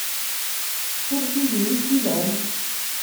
Suref-iyi, wi ik-ilan?